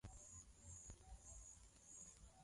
Lakini kwa mujibu wa taarifa ya Benki ya Dunia